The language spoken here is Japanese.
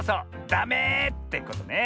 「ダメ！」ってことね。